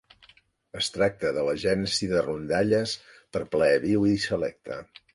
És tracta de la gènesi de rondalles per plaer viu i selecte.